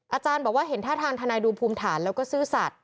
อาจารย์บอกว่าเห็นท่าทางทนายดูภูมิฐานแล้วก็ซื่อสัตว